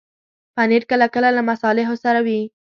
پنېر کله کله له مصالحو سره وي.